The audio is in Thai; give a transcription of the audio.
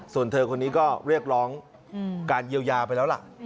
ส่วนเธอคนนี้ก็เรียกร้องการเยียวยาไปแล้วล่ะ